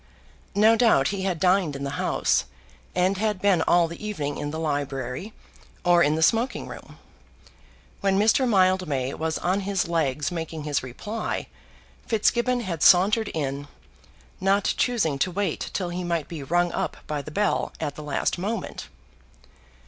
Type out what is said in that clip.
No doubt he had dined in the House, and had been all the evening in the library, or in the smoking room. When Mr. Mildmay was on his legs making his reply, Fitzgibbon had sauntered in, not choosing to wait till he might be rung up by the bell at the last moment.